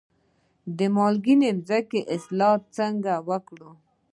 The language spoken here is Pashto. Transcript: د مالګینې ځمکې اصلاح څنګه وکړم؟